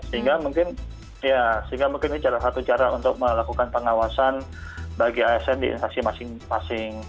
sehingga mungkin ya sehingga mungkin ini salah satu cara untuk melakukan pengawasan bagi asn di instansi masing masing